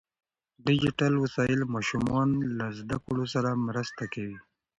ډیجیټل وسایل ماشومان له زده کړو سره مرسته کوي.